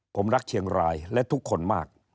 ผมรักเชียงรายและทุกคนมาก